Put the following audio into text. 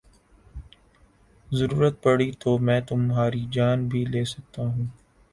ضرورت پڑی تو میں تمہاری جان بھی لے سکتا ہوں